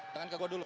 jangan ke gue dulu